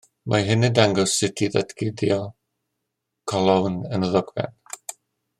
Mae hyn yn dangos sut i ddatguddio colofn yn y ddogfen.